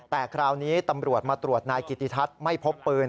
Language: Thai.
แต่คราวนี้ตำรวจมาตรวจนายกิติทัศน์ไม่พบปืน